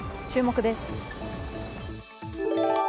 注目です。